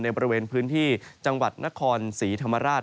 บริเวณพื้นที่จังหวัดนครศรีธรรมราช